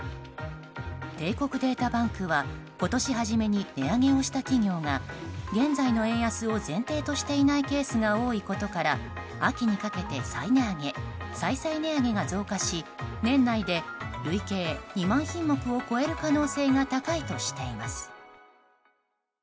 帝国データバンクは今年初めに値上げをした企業が現在の円安を前提としていないケースが多いことから秋にかけて再値上げ、再々値上げが増加し年内で累計２万品目を超える可能性が高いとしています。